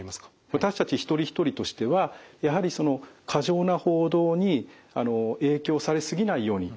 私たち一人一人としてはやはりその過剰な報道に影響され過ぎないように気を付けないといけない。